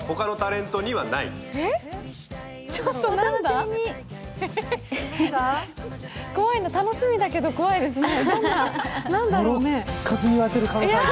こういうの楽しみだけど怖いですね。